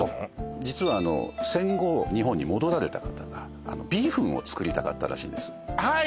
実はあの戦後日本に戻られた方がビーフンを作りたかったらしいんですはい！